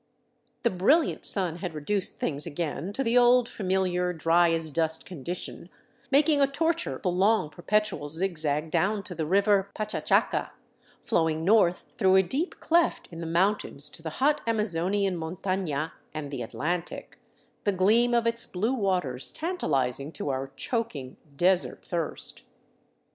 The brilliant sun had reduced things again to the old, familiar dry as dust condition, making a torture the long perpetual zigzag down to the river Pachachaca, flowing north through a deep cleft in the moun tains to the hot Amazonian montafia and the Atlantic, the gleam of its blue waters tantalizing to our choking, desert thirst.